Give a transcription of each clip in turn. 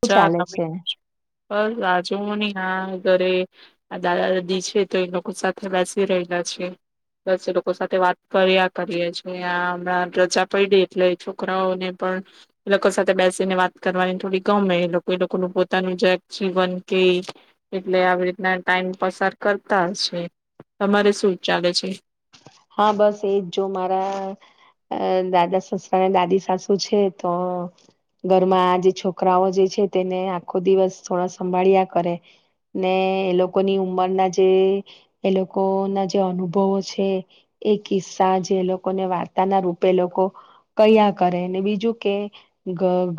શું ચા ચાલે તમે છે? બસ રાજુ નહી. ના ઘરે આ દાદા દાદી છે તો એ લોકો સાથે બેસી રહેલા છે, બસ એ લોકો સાથે વાત કર્યા કરીએ છી હમણાં રજા પડી એટલે છોકરાઓને પણ, લોકો સાથે બેસીને વાત કરવાની થોડી ગમે લોકો એ લોકોનું પોતાનું જત જીવન કે, એટલે આવી રીતના ટાઈમ પસાર કરતા છે, તમારે શું ચાલે છે? હા બસ એજ જો મારા, દાદા સસરા અને દાદી સાસુ છે તો, ઘરમાં આ જે છોકરાઓ જે છે તેને આખો દિવસ થોડા સંભાળ્યા કરે, ને એ લોકોની ઉંમરના જે એ લોકો ના જે અનુભવો છે. એક કિસ્સા જે એ લોકોને વાર્તાના રૂપે લોકો, કયા કરે ને બીજું કે,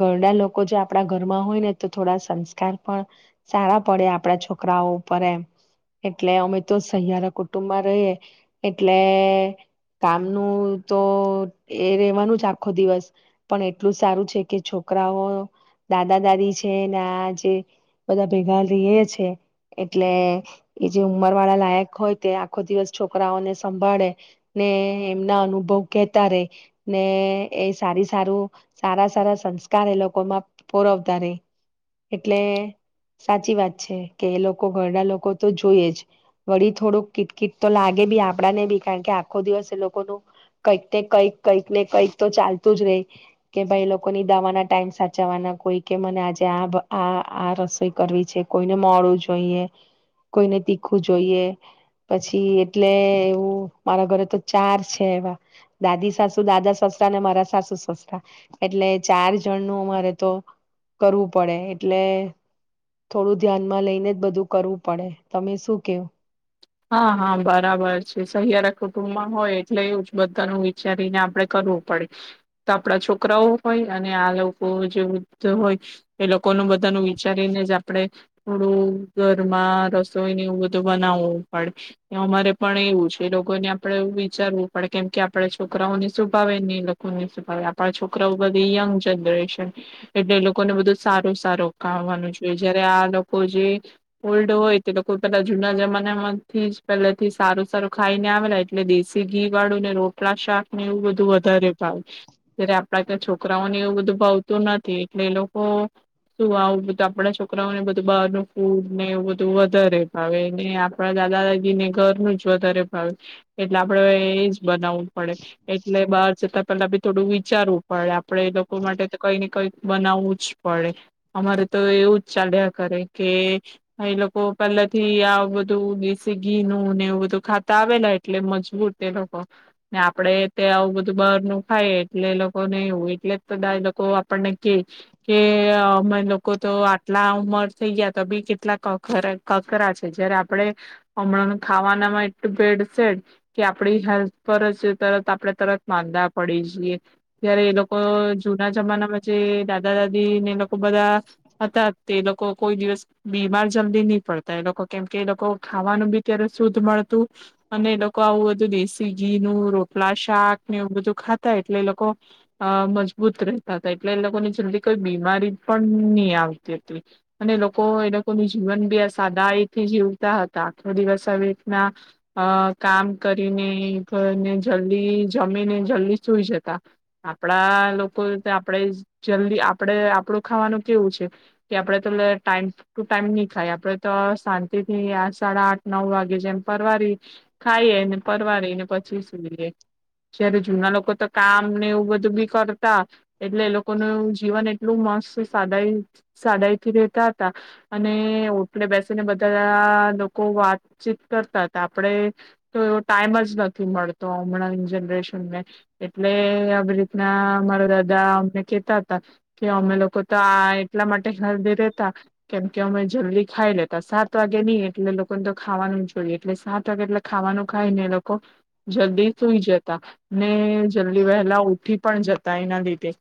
ઘરના લોકો જો આપણા ઘરમાં હોય ને તો થોડા સંસ્કાર પણ, સારા પડે આપણા છોકરાઓ ઉપર એમ, એટલે અમે તો સહિયારા કુટુંબમાં રહીએ, એટલે કામનું તો એ રેવાનું જ આખો દિવસ, પણ એટલું જ સારું છે કે છોકરાઓ દાદા દાદી છે ને આ જે બધા ભેગા રહી છે, એટલે એ જે ઉંમર વાળા લાયક હોય તે આખો દિવસ છોકરાઓને સંભળે, ને એમના અનુભવ કહેતા રે, ને એ સારી સારું સારા સારા સંસ્કાર એ લોકોમાં પરવતા રે, એટલે સાચી વાત છે કે એ લોકો ઘરના લોકો તો જોય જ, વળી થોડુંક કીટ કિટ તો લાગે બી આપ કે આખો દિવસ એ લોકોનું, કંઈક ને કઈક કઈક ને કઈક તો ચાલતું જ રહી, કે ભાઈ લોકોની દવાના ટાઈમ સાચવવાના કોઈ કે મને આજે આ આ આ રસોઈ કરવી છે કોઈને મળવું જોઈએ, કોઈને તીખું જોઈએ, પછી એટલે મારા ઘરે તો ચાર છે એવા, દાદી સાસુ દાદા સસરા ને મારા સાસુ સસરા, એટલે ચાર જણ નું અરે તો કરવું પડે, એટલે થોડું ધ્યાનમાં લઈને જ બધું કરવું પડે, તમે શું કેવું? હા હા બરાબર છે, સહિયારા કુટુંબમાં હોય એટલે એવ જ બધાનું વિચારીને આપડે કરવું પડે, તો આપડા છોકરાઓ હોય અને આ લોકો જેધ હોય, એ લોકોનું બધાનું વિચારીને જ આપડણે થોડું ઘરમાં રસોઈને એવું બધું બનાવવું. અમારે પણ એવું છે લોકોને આપણેે વિચારવું પડે કેમ કે આપડા છોકરાઓને સુવભાવે ને એ લોકોને સ્ભાવે આપણા છોકરાઓ બધી યંગ જનરેશન, એટલે એ લોકોને બધું સારો સારો કવાનું જોઈએ જયારે આ લોકો જે ઓલ્ડ હોય તે લોકો પેલા જૂના જમાનામાં થી પેથી સારું સારું ખાઈને આવેલા એટલે દેશી ઘી વાળું ને રોટલા શાક ને એવું બધું વધારે ભાવે, જ્યારે આપડા ત્યાં છોકરાઓને એવું બધું ભાવતું નથી એટલે એ લોકો, શું આવું બધું આપડા છોકરાઓને બધું બહાર ન ફૂડને એવું બધું વધારે ભાવે ને આપણા દાદા દાદાજી ને ઘર નું જ વધારે ભાવ્યું, એટલે આપડે હ એજ બનાવ પડે એટલે બાર જતા. પેલા બી થોડું વિચારવું પડે આપડે એ લોકો માટે તો કઈ ને કઈક બનાવવું જ પડે અમારે તો એવું જ ચાલ્યા કરે કે એ લોકો પહેલા થી આ બધું સીગી નું ને એવું બધું ખાતા આવેલા એટલે મજબૂર તે લોકો ને આપડે તે આવું બધું બાર નું ખાઈ એટલે એ લોકોને એવું એટલે બધા એ લોકો આપણને કે કે અમે લોકો તો આટલા ઉમર થઈ ગયા તો બી કેટલા કરા કકરા છે જયારે આપણેે હમણાં ખાવાનામાં એટલું બ ભેળ છેટ કે આપડી હેલ્થ પર જ તરત આપણે તરત માંદા પડી જઈએ ત્યારે એ લોકો જૂના જમાનામાં જે દાદા દાદી ને એ લોકો બધા હતા તે એ લોકો કોઈ દિવસ બીમાર જલ્દી નહી પડતા એ લોકો કેમકે એ લોકો ખાવાનું બી ત્યારે શુદ્ધ મળતું અને એ લોકો આવું બધું દેશી ઘી નું રોટલા શાક ને એવું બધું ખાતા એટલે એ લોકો અ મજબૂત રહેતા હતા એટલે એ લોકોને જલ્દી કોઈ બીમારી પણ નહી આવતી હતી અને લોકો એ લોકો જીવન બી આ સાદાથી જીવતા હતા. તો આખો દિવસ આવી રીતના અ કામ કરીને ઘરને જલ્દી જમીને જલ્દી સુઈ જતા. આપણા લોકો આપણેે જલ્દી આપણેે આપણું ખાવાનું કેવું છે કે આપડે તો ટાઈમ ટુ ટાઈમ ની ખાય આપડે તો શાંતિ થી આ સાડા આઠ નવ વાગે જેમ પરવારી ખાઈએ ને પરવારીને પછી સુઈએ. જયારે જૂના લોકો તો કામ ને એવું બધું બી કરતા એટલે એ લોકોનું જીવન એટલું મસ્ત સાદાઈ સાદાઈથી રેતા હતા અને ઓટલે બેસીને બધા વાતચીત કરતા હતા. આપણે તો એવો ટાઈમ જ નથી મળતો હમણાંને જનરેશનને. એટલે આવી રીત ના મારા દાદા અમને કેતા હતા કે અમે લોકો તો આ એટલા માટે જલ્દી રેતા કેમ કે અમે જલ્દી ખાઈ લેતા સાત વાગે નહી એટલે લો લોકો તો ખાવાનું જ જોઈએ એટલે સાત વાગે એટલે ખાવાનું ખાઈ ને એ લોકો જલ્દી સુઈ જતા ને જલ્દી વહેલા ઉઠી પણ જતા એના લીધે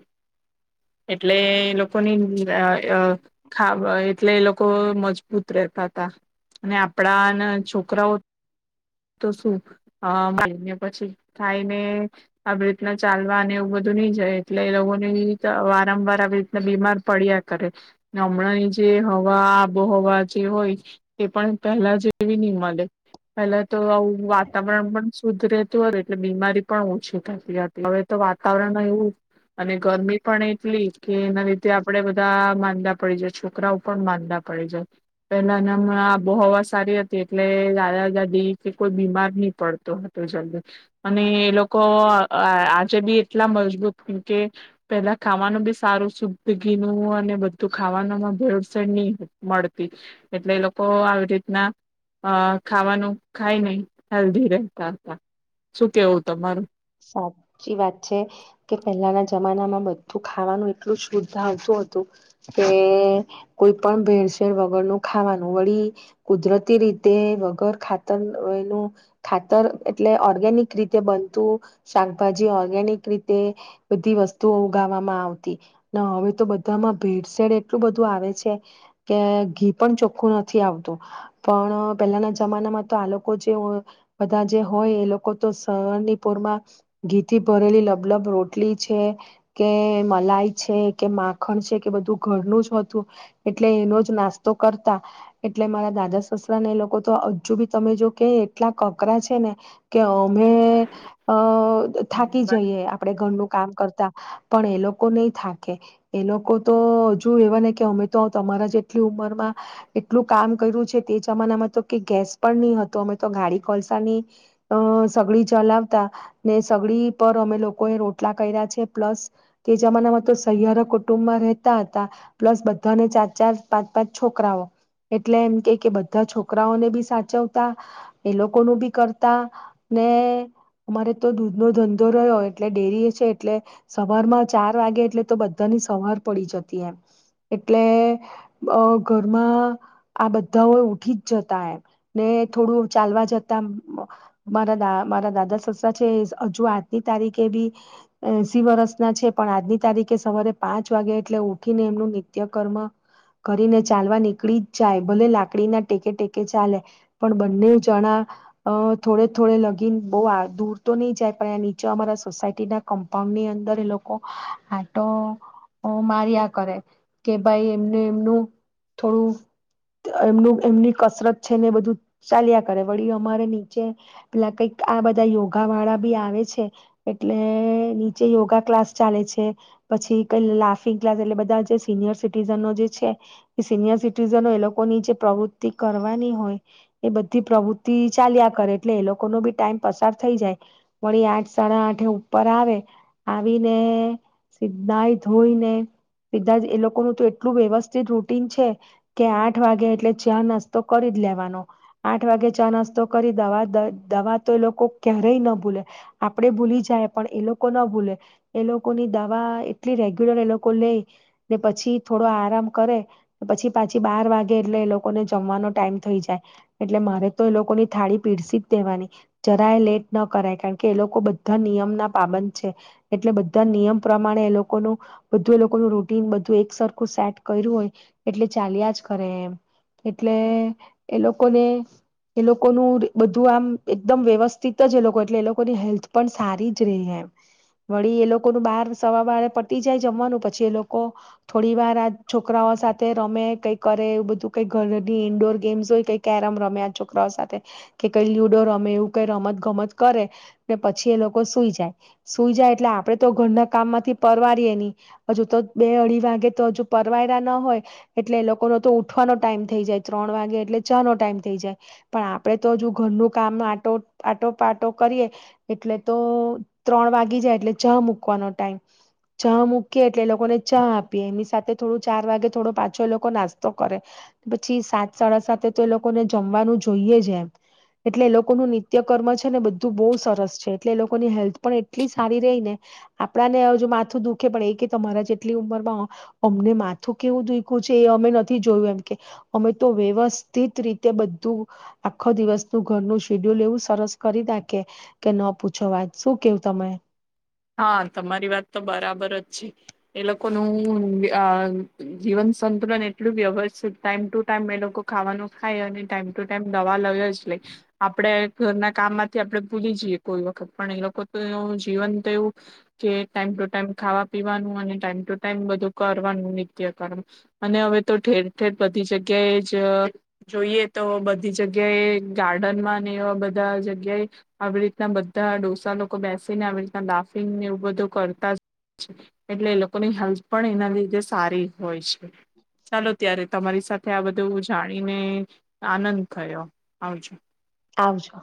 એટલે લોકોની અ [unintelligible] એટલે એ લોકો મજબૂત રહેતા હતા અને આ આપડાને છોકરાઓ તો શું મળને પછી ખાઈને આવી રીતના ચાલવા અને એવું બધું નહી જાય એટલે એ લોકો વારંવાર આવી રીતના બીમાર પડ્યા કરે હમણાં ની જે હવા આબોહવા જે હોય એ પણ પહેલા જેવી નહી મળે પહેલા તો આવું વાતાવરણ પણ શુદ્ધ રહેતું હો હતું એટલે બીમારી પણ ઓછી થતી હતી હવે તો વાતાવરણ એવું અને ગરમી પણ એટલી કે એના લીધે આપણેે બધા માંદા પડી જાય છોકરાઓ પણ માંદા પડી જાય પેલા એના બો હવા સારી હતી એટલે દાદા દાદી કે કોઈ બીમાર નહી પડતો હતો જલ્દી અને એ લોકો આજે બી એટલા મજબૂત કેમ પેલા ખાવાનું બી સારું શુદ્ધ ઘીનું અને બધું ખાવાનુંમાં ભેળસેળ ની મળતી. એટલે એ લોકો તો આવી રીતના અ ખાવાનું ખાય નહ હેલ્ધી રહેતા હતા શું કેવું તમારું. સાચી વાત છે કે પહેલાના જમાનામાં બધું ખાવાનું એટલું શુદ્ધ આવતું હતું કે કોઈ પણ ભેળસેળ વગરનું ખાવાનું વળી કુદરતી રીતે વગર ખાતરનું ખાતર એટલે ઓર્ગેનિક રીતે બનતું શાકભાજી ઓર્ગેનિક રીતે બધી વસ્તુઓ ઉગાવામાં આવતી હવે તો બધામાં ભેડસેડ એટલું બધું આવે છે કે ઘી પણ ચોખ્ખું નથી આવતું પણ પેલાના જમાનામાં તો આ લોકો જે બધા જે હોય એ લોકો તો શરની પોર માં ઘીથી ભરેલી લભલભ રોટલી છે કે મલાઈ છે કે માખણ છે કે બધું ઘરનું જ હતું એટલે એનો જ નાસ્તો કરતા એટલે મારા દાદા સસરાને એ લોકો તો હજુ બી તમે જો કે એટલા કકરા છે ને કે અમે અ. થાકી જઈએ આપડે ઘરનું કામ કર પણ એ લોકો નહી થાકે એ લોકો તો હજુ એવા ને કે અમે તો તમારા જેટલી ઉંમરમાં એટલું કામ કર્યું છે તે જમાનામાં તો કે ગેસ પણ નહી હતો અમે તો ગાડી કોલસા ની અ સગડી ચલાવતા ને સગડી પર અમે લોકો એ રોટલા કર્યા છે પ્લસ કે જમાનામાં તો સહિયાર કુટુંબમાં રહેતા હતા પ્લસ બધાને ચાર ચાર પાંચ પાંચ છોકરાઓ એટલે એમ કે કે બધા છોકરાઓને બી સાચવતા એ લોકો નું બી કરતા ને અમારે તો દૂધ ન ધંધો રહ્યો એટલે ડેરી હ છે એટલે સવાર માં ચાર વાગે એટલે તો બધાની સવાર પડી જતી એમ એટલે ઘરમાં આ બધાઓ ઉઠી જ જતા એમ ને થોડું ચાલવા જતા મારા મારા દાદા [unintelligible] હજુ આજની તારીખે બી એસી વરસ ના છે પણ આજની તારીખે સવારે પાંચ વાગે એટલે ઉઠીને એમનું નિત્યકર્મ કરીને ચાલવા નીકળી જ જાય ભલે લાકડી ના ટેકે ટેકે ચાલે પણ બંને જણા થોડે થોડે લગીને બો દૂર તો નહી જાય પણ નીચે અમારા સોસાયટીના કમ્પાઉન્ડની અંદર એ લોકો આટો માર્યા કરે. કે ભાઈ એમને એમનું થોડું એમ એમની કસરત છે ને એ બધું ચાલ્યા કરે વળી અમારે નીચે પેલા કઈક આ બધા યોગ યોગા વાળા બી આવે છે એટલે નીચે યોગા ક્લાસ ચાલે છે પછી કઈ લાફિંગ ક્લાસ એટલે બધા જે સિનિયર સિટીઝનો જે છે એ સિનિયર સિટીઝનો એ લોકો ની જે પ્રવૃત્તિ કરવાની હોય એ બધી પ્રવૃત્તિ ચાલ્યા કરે એટલે એ લોકો ન બી ટાઈમ પસાર થઈ જાય વળી આઠ સાડા આઠ ઉપર આવે આવીને સીધા એ ધોઈને સીધા એ લોકોનું તો એટલું વ્યવસ્થિત રૂટીન છે કે આઠ વાગે એટલે ચા નાસ્તો કરી જ લેવાનો આઠ વાગે ચા નાસ્તો કરી દવા દવા તો એ લોકો ક્યારેય ન ભૂલે આપડ ભૂલી જાય પણ એ લોકો ન ભૂલે એ લોકોની દવા એટલી રેગ્યુલર એ લોકો લેય ને પછી થોડો આરામ કરે પછી પાછી બાર વાગે એટલે એ લોકોને જમવાનો ટાઈમ થઈ જાય એટલે મારે તો એ લોકોની થાળી પીરસી જ દેવાની જરાય લેટ ન કરાય કારણ કે એ લોકો બધા નિયમના પાબંધ છે એટલે બધા નિયમ પ્રમાણે એ લોકોનું બધું એ લોકોનું રૂટીન બું એક સરખું સેટ કર્યું હોય એટલે ચાલ્યા જ કરે એમ એટલે એ લોકોને એ લોકોનું બધું આમ એકદમ વ્યવસ્થિ [unintelligible] જ એ લોકો એટલે એ લોકોની હેલ્થ પણ સારી જ રહી એમ વળી એ લોકોનું બહાર સવા બરે પટી જાય જમવાનું પછી એ લોકો થોડી વાર આ છોકરાઓ સાથે રમે કઈ કરે એવું બધું કઈ ઘરની ઈન્ડોર ગેમ્સ હોય કઈ કેરમ રમે આ છોકરાઓ સાથે કે કઈ લુડો રમે એવું કઈ રમત ગમત કરે ને પછી એ લોકો સુઈ જાય સુઈ જાય એટલે આપણેે તો ઘરના કામમાંથી પરવારીએ નહી હજુ તો બે અઢી વાગે તો હજુ પરવાયરા ના હોય એટલે એ લોકોનો તો ઉઠવાનો ટાઈમ થઈ જાય ત્રણ વાગે એટલે ચ નો ટાઈમ થઈ જાય પણ આપડે તો હજુ ઘરનું કામ આટો પાટો પાટો કરીએ એટલે તો ત્રણ વાગી જાય એટલે ચા મૂકવાનો ટાઈમ. ચા મૂકીએ એટલે એ લોકોને ચા આપીએ એમની સાથે થોડું ચાર વાગે થોડો પાછો એ લોકો નાસ્તો કરે પછી સાત સાડા સાતે તો એ લોકોને જમવાનું જોઈએ જ એમ એટલે એ લોકોનું નિત્યકરમ છે ને બધું બહુ સરસ છે એટલે એ લોકોની હેલ્થ પણ એટલી સારી રહી ને આપણા ને હજ માથું દુખે પણ એ કે તમારા જેટલી ઉંમરમાં હો અમને માથું કેવું દુખ્યું છે એ અમે નથી જોયું એમ કે અમે તો વ્યવસ્થિત રીતે બધું આખો દિવસનું ઘરનું શેડ્યુલ લેવું સરસ કરી દાખે કે ન પૂછો વાત શું કેવું તમે. હા તમારી વાત તો બરાબર જ છે. એ લોકોનું જીવન સંતુલન એટલું વ્યવસ્થિત ટાઈમ ટુ ટાઈમ એ લોકો ખાવાનું ખાય અને ટાઈમ ટુ ટાઈમ દવા લાય જ. [unintelligible] આપણેે. ઘરના કામ માંથી આપણે ભૂલી જઈએ કોઈ વખત પણ એ લોકો તો જીવન એવું, કે ટાઈમ ટુ ટાઈમ ખાવા પીવાનું અને ટાઈમ ટુ ટાઈમ બધું કરવાનું નિત્યકમ, અને હવે તો ઠેર ઠેર બધી જગ્યાએ જ જોઈએ તો બધી જગ્યાએ ગાર્ડનમાં ને એવા બધા જગ્યાએ, આવી રીતના બધા ડોસા લોકો બેસી ને આવી લાફિંગને એવું બધું કરતા જ, એટલે એ લોકોની હેલ્થ પણ એના લીધે સારી હોય છે, ચાલો ત્યારે તમારી સાથે આ બધું જાણીને આનંદ થયો આવજો. આવજો.